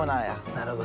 なるほど。